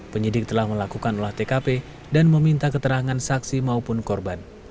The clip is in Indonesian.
penyidik telah melakukan olah tkp dan meminta keterangan saksi maupun korban